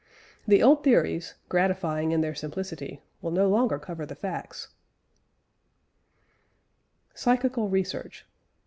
The old theories, gratifying in their simplicity, will no longer cover the facts. PSYCHICAL RESEARCH.